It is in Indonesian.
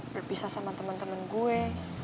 berpisah sama temen temen gue